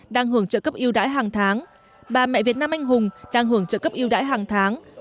đang hưởng trợ cấp yêu đãi hàng tháng bà mẹ việt nam anh hùng đang hưởng trợ cấp yêu đãi hàng tháng